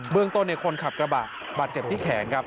เมืองต้นคนขับกระบะบาดเจ็บที่แขนครับ